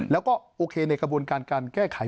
แล้วก็โอเคในกระบวนการการแก้ไข